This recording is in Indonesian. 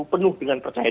penuh dengan percaya diri